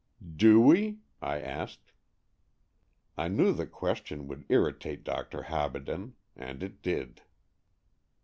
"Do we?" I asked. I knew the question would irritate Dr. Habaden, and it did.